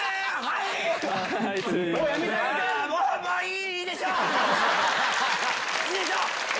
いいでしょう！